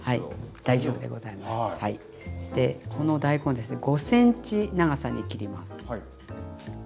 でこの大根をですね５ｃｍ長さに切ります。